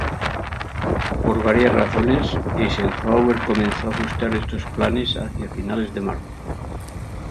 Por varias razones, Eisenhower comenzó a ajustar estos planes hacia finales de marzo.